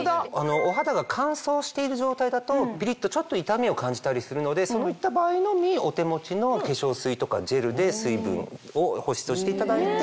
お肌が乾燥している状態だとピリっとちょっと痛みを感じたりするのでそういった場合のみお手持ちの化粧水とかジェルで水分を保湿をしていただいて。